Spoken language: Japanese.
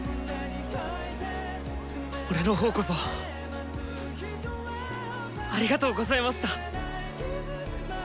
俺のほうこそありがとうございました！